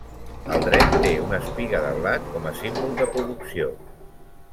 El dret té una espiga de blat, com a símbol de producció.